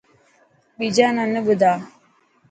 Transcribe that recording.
ٻيجا نا نه ٻڌا.